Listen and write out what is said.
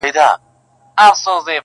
تش په ځيگر مې زرغون پاتې يو گلاب سړی